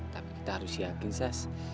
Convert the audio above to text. tapi kita harus yakin sih